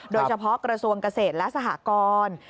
โดยเฉพาะกระทรวงเกษตรและสหกร